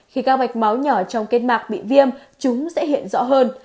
khi các mạch máu nhỏ trong kết mạc bị viêm chúng sẽ hiện rõ hơn